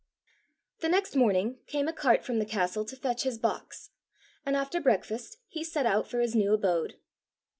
The next morning came a cart from the castle to fetch his box; and after breakfast he set out for his new abode.